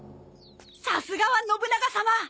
さすがは信長様。